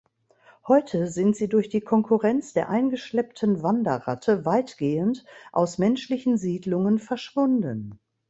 Heute sind sie durch die Konkurrenz der eingeschleppten Wanderratte weitgehend aus menschlichen Siedlungen verschwunden.